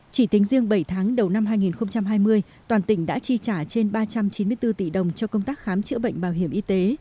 chỉ tính riêng bảy tháng đầu năm hai nghìn hai mươi toàn tỉnh đã chi trả trên ba trăm chín mươi bốn tỷ đồng cho công tác khám chữa bệnh bảo hiểm y tế